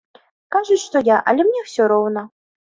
Кажуць, што я, але мне ўсё роўна.